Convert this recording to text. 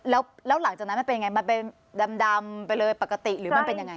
แล้วหลังจากนั้นมันเป็นยังไงมันเป็นดำไปเลยปกติหรือมันเป็นยังไง